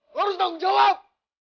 lu harus tanggung jawab